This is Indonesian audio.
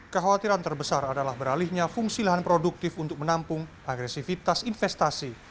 kekhawatiran terbesar adalah beralihnya fungsi lahan produktif untuk menampung agresivitas investasi